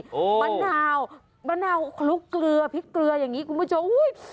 ปะนาวปะนาวลูกเกลือพริกเกลืออย่างนี้คุณพ่อเจ้าอุ้ย